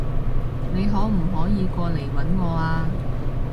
你可唔可以過嚟搵我啊？